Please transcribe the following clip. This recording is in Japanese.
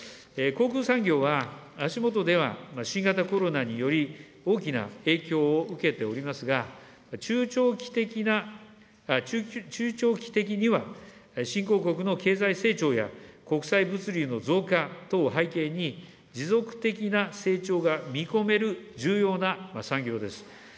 航空産業は、足下では、新型コロナにより、大きな影響を受けておりますが、中長期的な中長期的には、新興国の経済成長や、国際物流の増加等を背景に、持続的な成長が見込める重要な産業です。